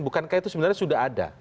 bukankah itu sebenarnya sudah ada